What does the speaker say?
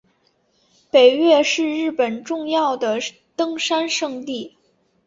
北岳是日本重要的登山圣地。